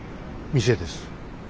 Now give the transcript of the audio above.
店です。